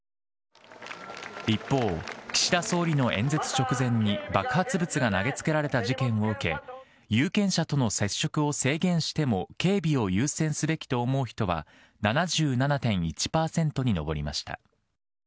一方、岸田総理の演説直前に爆発物が投げつけられた事件を受け、有権者との接触を制限しても警備を優先すべきと思う人は７７．１％に上りました。